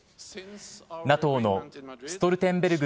ＮＡＴＯのストルテンベルグ